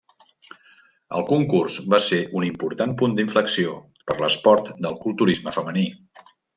El concurs va ser un important punt d'inflexió per l'esport del culturisme femení.